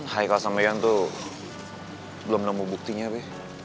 hai kau sama ian tuh belum nemu buktinya be